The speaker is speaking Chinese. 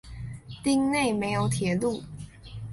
町内没有铁路。